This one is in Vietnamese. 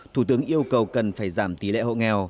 thủ tướng yêu cầu cần phải giảm tỷ lệ hộ nghèo